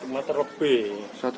satu meter lebih